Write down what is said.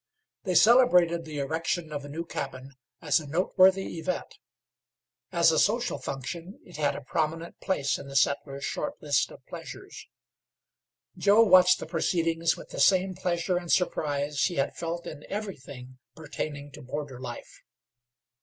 They celebrated the erection of a new cabin as a noteworthy event. As a social function it had a prominent place in the settlers' short list of pleasures. Joe watched the proceeding with the same pleasure and surprise he had felt in everything pertaining to border life.